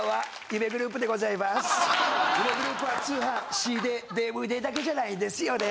夢グループは通販ＣＤＤＶＤだけじゃないんですよね。